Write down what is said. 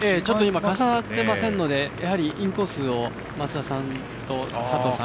重なっていませんのでやはりインコースを松田さんと佐藤さん